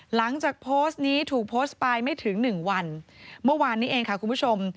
หลังจากโพสต์นี้ถูกโพสต์ไปไม่ถึงหนึ่งวันเมื่อวานนี้เองค่ะคุณผู้ชม